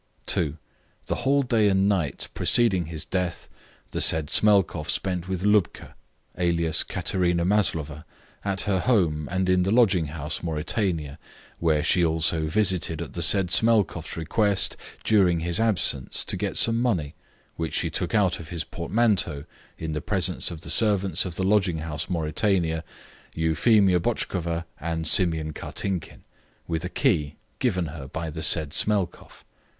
2. The whole day and night preceding his death the said Smelkoff spent with Lubka (alias Katerina Maslova) at her home and in the lodging house Mauritania, which she also visited at the said Smelkoff's request during his absence, to get some money, which she took out of his portmanteau in the presence of the servants of the lodging house Mauritania, Euphemia Botchkova and Simeon Kartinkin, with a key given her by the said Smelkoff.